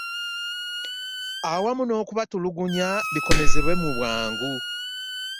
Awamu n'okubatulugunya bikomezebwa mu bwangu